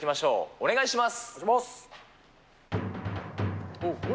お願いします。